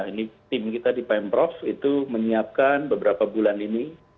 ini tim kita di pemprov itu menyiapkan beberapa bulan ini